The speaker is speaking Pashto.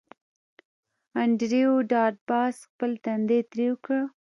انډریو ډاټ باس خپل تندی ترېو کړ